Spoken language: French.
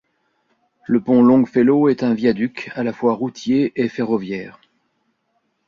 Le pont Longfellow est un viaduc à la fois routier et ferroviaire.